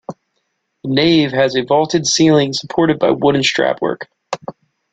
The nave has a vaulted ceiling supported by wooden strapwork.